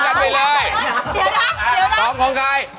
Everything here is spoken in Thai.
เอาล่ะท้องของใคร